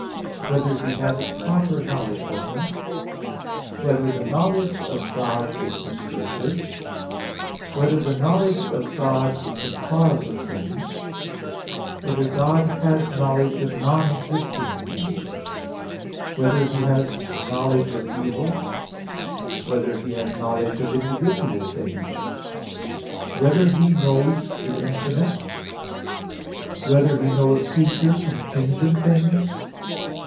(6) Whether He has a proper knowledge of them? (7) Whether the knowledge of God is discursive? (8) Whether the knowledge of God is the cause of things? (9) Whether God has knowledge of non existing things? (10) Whether He has knowledge of evil? (11) Whether He has knowledge of individual things? (12) Whether He knows the infinite? (13) Whether He knows future contingent things?